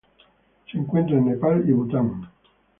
Se encuentra en Nepal y Bután.